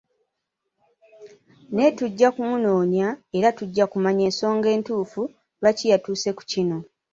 Naye tujja kumunoonya era tujja kumanya ensonga entuufu lwaki yatuuse ku kino.